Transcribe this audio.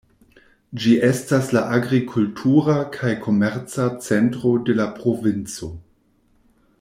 Ĝi estas la agrikultura kaj komerca centro de la provinco.